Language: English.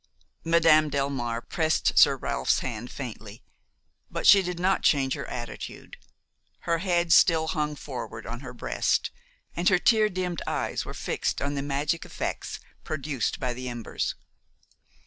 Madame Delmare pressed Sir Ralph's hand faintly; but she did not change her attitude; her head still hung forward on her breast and her tear dimmed eyes were fixed on the magic effects produced by the embers.